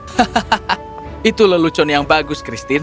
hahaha itu lelucon yang bagus christine